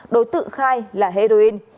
đối tượng khai là heroin